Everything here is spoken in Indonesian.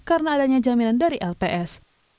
karena adanya jaminan dari lps